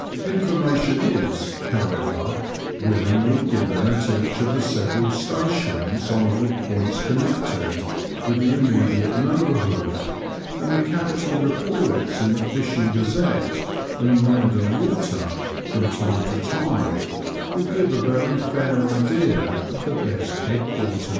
Infor mation is, however, willingly given at each of the several stations on all points connected with the immediate neigh bourhood, and the capital reports in the Fishing GazeUe and Land and Wat§r from time to time will give a very foiridea of the best head quarters.